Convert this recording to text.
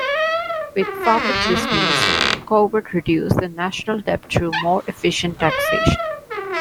With Fouquet dismissed, Colbert reduced the national debt through more efficient taxation.